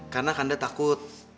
karena kanda takut